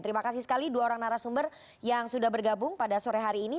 terima kasih sekali dua orang narasumber yang sudah bergabung pada sore hari ini